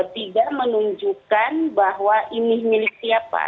tidak menunjukkan bahwa ini milik siapa